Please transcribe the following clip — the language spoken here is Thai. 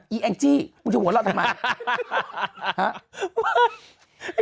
อแองจี้มึงจะหัวเราทำไม